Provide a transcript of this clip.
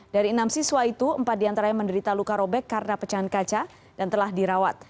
dari enam siswa itu empat diantara yang menderita luka robek karena pecahan kaca dan telah dirawat